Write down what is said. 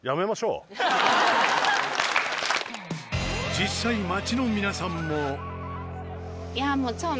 実際街の皆さんも。